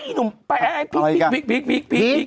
อีหนุ่มคลิก